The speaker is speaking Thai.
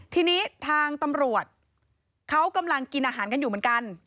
ทีนี้ทางตำรวจเขากำลังกินอาหารกันอยู่เหมือนกัน